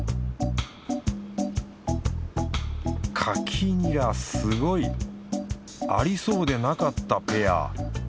カキニラすごい！ありそうでなかったペア。